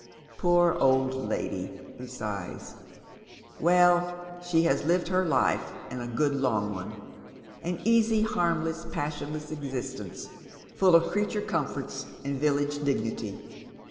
" Poor old lady," he sighs. "Well, she has lived her life, and K good long one. An easy, harmless, passionless existence, full of creature comforts and village dignity.